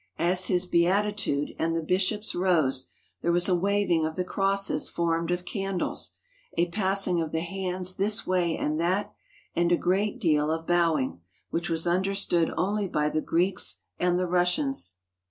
As His Beatitude and the bishops rose, there was a waving of the crosses formed of candles, a passing of the hands this way and that, and a great deal of bowing, which was understood only by the Greeks and the Russians.